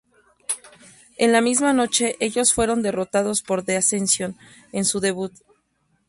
En la misma noche ellos fueron derrotados por The Ascension en su debut.